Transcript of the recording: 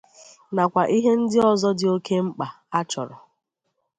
nakwa ihe ndị ọzọ dị oke mkpà a chọrọ